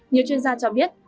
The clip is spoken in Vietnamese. nhiều chuyên gia cho biết